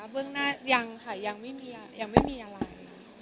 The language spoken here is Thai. เมื่อโอน่าขายังไม่บียังไม่มีอะไร